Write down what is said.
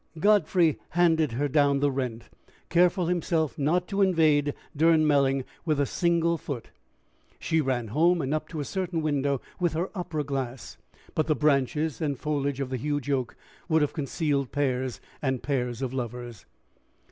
Godfrey handed her down the rent, careful himself not to invade Durnmelling with a single foot. She ran home, and up to a certain window with her opera glass. But the branches and foliage of the huge oak would have concealed pairs and pairs of lovers.